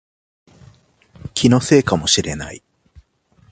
気のせいかもしれない